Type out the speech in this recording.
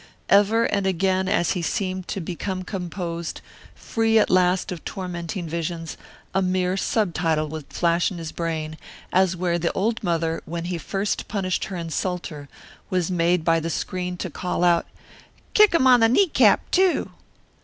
Ever and again as he seemed to become composed, free at last of tormenting visions, a mere subtitle would flash in his brain, as where the old mother, when he first punished her insulter, was made by the screen to call out, "Kick him on the knee cap, too!"